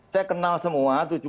saya kenal semua